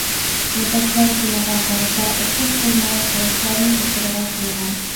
تورداشلار بۇنىڭغا قارىتا ئوخشاش بولمىغان قاراشلارنى ئوتتۇرىغا قويغان.